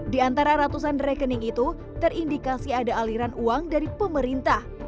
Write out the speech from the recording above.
di antara ratusan rekening itu terindikasi ada aliran uang dari pemerintah